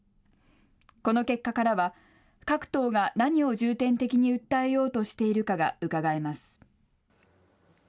この結果からは、各党が何を重点的に訴えようとしているかがうかがえます。